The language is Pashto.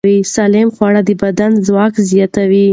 سالم خواړه د بدن ځواک زیاتوي.